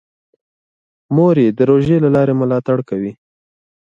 مور یې د روژې له لارې ملاتړ کوي.